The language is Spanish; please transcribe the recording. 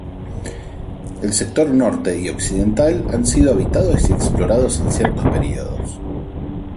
El sector norte y occidental, han sido habitados y explorados en ciertos períodos.